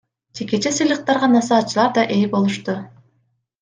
Жекече сыйлыктарга насаатчылар да ээ болушту.